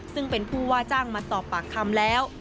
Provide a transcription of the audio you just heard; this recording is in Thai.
ซึ่งเป็นผู้ว่าจ้างมาสอบปากคำแล้ว